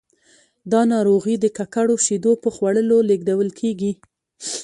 دا ناروغي د ککړو شیدو په خوړلو لیږدول کېږي.